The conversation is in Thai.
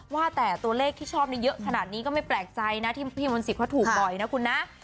ว่าแต่ตัวเลขที่ชอบเยอะขนาดนี้ก็ไม่แปลกใจนะที่พี่มนศิษย์เขาถูกบ่อยนะคุณนะ